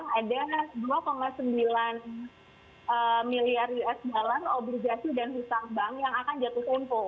nah disini sebenarnya kemungkinan adalah saat ini memang ada dua sembilan miliar usd dalam obligasi dan usaha bank yang akan jatuh tempo